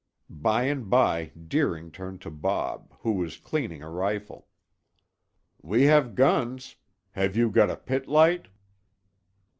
By and by Deering turned to Bob, who was cleaning a rifle. "We have guns. Have you got a pit light?"